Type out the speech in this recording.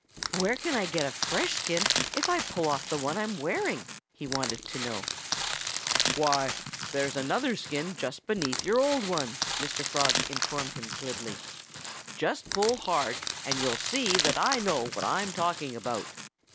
"Where can I get a fresh skin if I pull off the one I'm wearing?" he wanted to know. "Why, there's another skin just beneath your old one," Mr. Frog informed him glibly. "Just pull hard and you'll see that I know what I'm talking about."